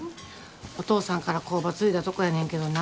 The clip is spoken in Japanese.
お父さんから工場継いだとこやねんけどな。